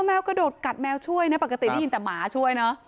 แมวกระโดดกัดแมวช่วยนะปกติได้ยินแต่หมาช่วยเนอะ